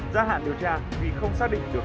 gia hạn điều tra vì không xác định được